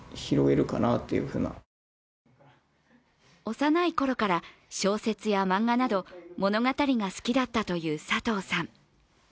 幼い頃から小説や漫画など物語が好きだったという佐藤さん。